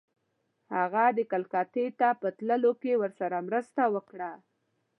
هغه کلکتې ته په تللو کې ورسره مرسته وکړه.